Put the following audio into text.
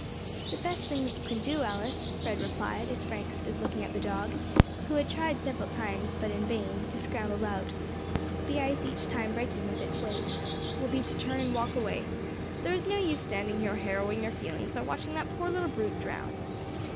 "The best thing you can do, Alice," Fred replied, as Frank stood looking at the dog, who tried several times, but in vain, to scramble out, the ice each time breaking with its weight, "will be to turn and walk away; there is no use standing here harrowing your feelings by watching that poor little brute drown."